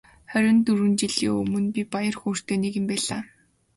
Хорин дөрвөн жилийн өмнө би баяр хөөртэй нэгэн байлаа.